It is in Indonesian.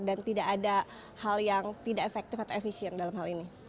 dan tidak ada hal yang tidak efektif atau efisien dalam hal ini